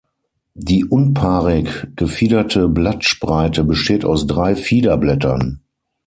Die unpaarig gefiederte Blattspreite besteht aus drei Fiederblättern.